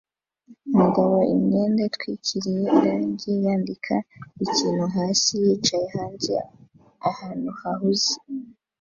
Umugabo imyenda itwikiriye irangi yandika ikintu hasi yicaye hanze ahantu hahuze